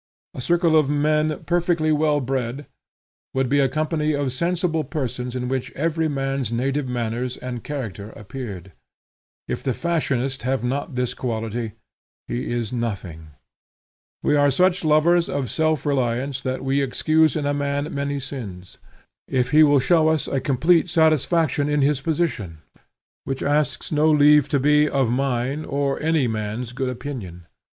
A circle of men perfectly well bred would be a company of sensible persons in which every man's native manners and character appeared. If the fashionist have not this quality, he is nothing. We are such lovers of self reliance that we excuse in a man many sins if he will show us a complete satisfaction in his position, which asks no leave to be, of mine, or any man's good opinion.